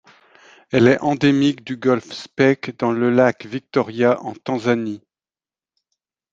Elle est endémique du golfe Speke dans le lac Victoria en Tanzanie.